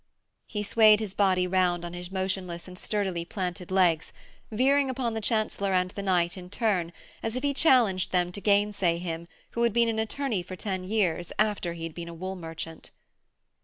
He swayed his body round on his motionless and sturdily planted legs, veering upon the Chancellor and the knight in turn, as if he challenged them to gainsay him who had been an attorney for ten years after he had been a wool merchant.